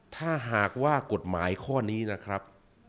ถ้าหากว่ากฎหมายข้อนี้นะครับ